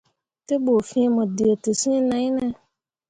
Te ɓu fĩĩ mo dǝtǝs̃ǝǝ nai ne ?